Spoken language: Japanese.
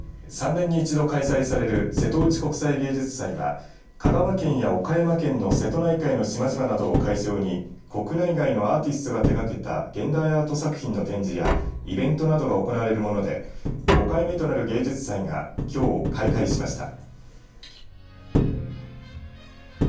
３年に一度開催される瀬戸内国際芸術祭は香川県や岡山県の瀬戸内海の島々などを会場に国内外のアーティストが手がけた現代アート作品の展示やイベントなどが行われるもので５回目となる芸術祭がきょう開会しました。